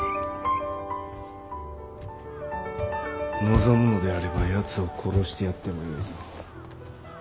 望むのであればやつを殺してやってもよいぞ。